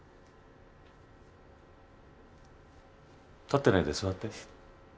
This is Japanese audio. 立ってないで座って。